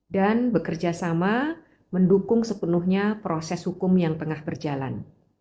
dan bekerjasama mendukung sepenuhnya proses hukum yang tengah berjalan